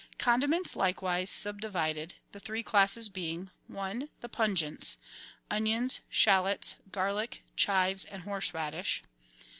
Condiments are likewise subdivided, the three classes being :— (i) The pungents. — Onions, shallots, garlic, chives, and horseradish.